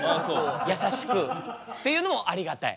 優しくっていうのもありがたい。